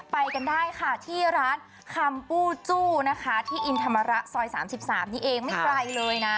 ไปกันได้ค่ะที่ร้านคำปูจู้นะคะที่อินธรรมระซอย๓๓นี่เองไม่ไกลเลยนะ